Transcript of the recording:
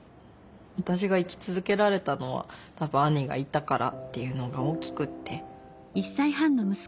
私が生き続けられたのは多分兄がいたからっていうのが大きくって。